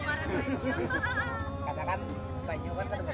itu juga pak